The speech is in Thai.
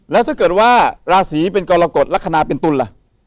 แล้วถ้าเกิดว่าราศีเป็นกรกฎลักษณะเป็นตุลล่ะ